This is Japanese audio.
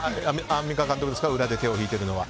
アンミカ監督ですが裏で手を引いてるのは。